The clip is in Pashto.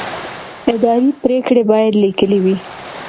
اداري پرېکړې باید لیکلې وي.